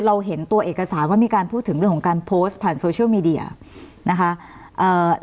เห็นตัวเอกสารว่ามีการพูดถึงเรื่องของการโพสต์ผ่านโซเชียลมีเดียนะคะ